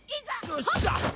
よっしゃ！